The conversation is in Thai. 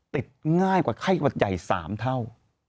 ติดง่ายกว่าไข้หวัดใหญ่๓เท่า